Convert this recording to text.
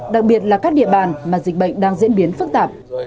đặc biệt là các địa bàn mà dịch bệnh đang diễn biến phức tạp